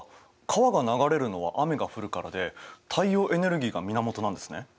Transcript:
川が流れるのは雨が降るからで太陽エネルギーが源なんですね。